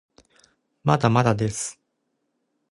まだまだです